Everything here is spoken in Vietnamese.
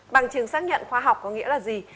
bằng chứng xác nhận khoa học có nghĩa là gì